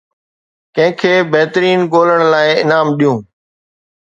ڪنهن کي بهترين ڳولڻ لاء انعام ڏيو